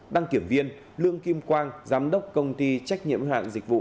đăng kiểm viên lương kim quang giám đốc công ty trách nhiệm hạng dịch vụ